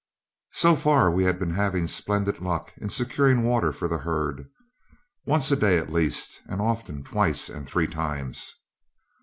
So far we had been having splendid luck in securing water for the herd, once a day at least, and often twice and three times.